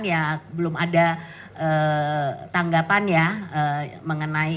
ya belum ada tanggapan ya mengenai